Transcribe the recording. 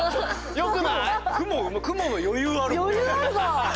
よくない？